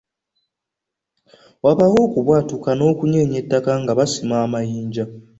Wabaawo okubwatuka n'okunyeenya ettaka nga basima amayinja.